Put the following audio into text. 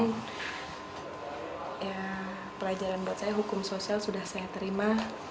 pelajaran buat saya hukum sosial sudah saya terima